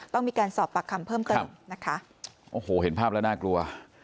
ต้องมีการสอบปากคำเพิ่มเติมนะคะโอ้โหเห็นภาพแล้วน่ากลัว